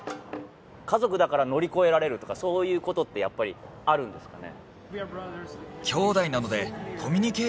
家族だから乗り越えられるとかそういうことってやっぱりあるんですかね？